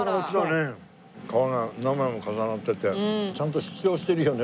皮が何枚も重なっててちゃんと主張してるよね